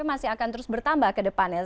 masih akan terus bertambah ke depannya